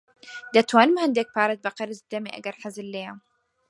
دەتوانم هەندێک پارەت بە قەرز بدەمێ ئەگەر حەزت لێیە.